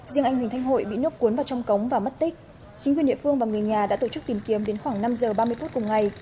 chính quyền địa phương và người nhà đã tổ chức tìm kiếm đến khoảng năm giờ ba mươi phút cùng ngày